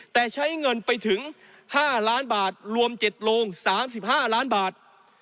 แต่ใช้เงินไปถึง๕ล้านบาทรวม๗โลง๓๕ล้านบาท